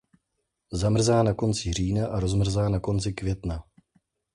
Zamrzá na konci října a rozmrzá na konci května.